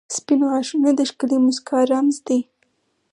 • سپین غاښونه د ښکلې مسکا رمز دی.